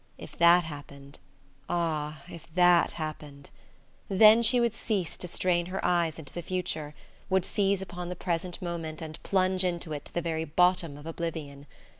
If that happened ah, if that happened! Then she would cease to strain her eyes into the future, would seize upon the present moment and plunge into it to the very bottom of oblivion.